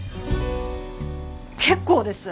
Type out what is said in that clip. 結構です。